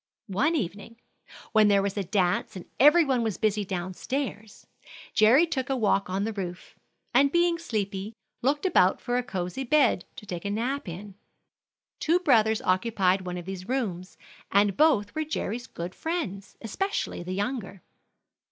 One evening, when there was a dance and every one was busy down stairs, Jerry took a walk on the roof, and being sleepy, looked about for a cosey bed to take a nap in. Two brothers occupied one of these rooms, and both were Jerry's good friends, especially the younger.